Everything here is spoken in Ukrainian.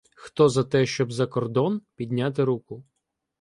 - Хто за те, щоб за кордон, — підняти руку!